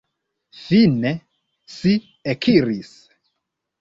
Fine si ekiris.